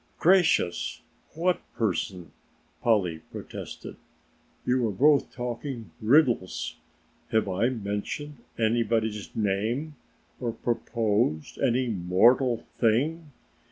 "Gracious, what person?" Polly protested. "You are both talking riddles. Have I mentioned anybody's name or proposed any mortal thing?